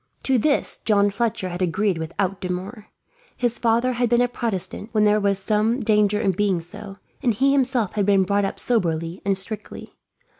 To this John Fletcher had agreed without demur. His father had been a Protestant, when there was some danger in being so; and he himself had been brought up soberly and strictly.